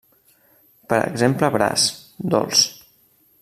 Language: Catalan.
Per exemple braç, dolç.